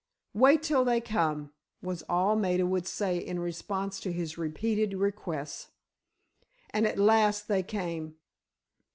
"Wait till they come," was all Maida would say in response to his repeated requests. And at last they came.